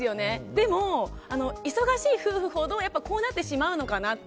でも、忙しい夫婦ほどやっぱこうなってしまうのかなって。